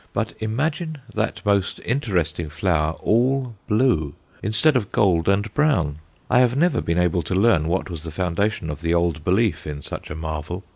But imagine that most interesting flower all blue, instead of gold and brown! I have never been able to learn what was the foundation of the old belief in such a marvel.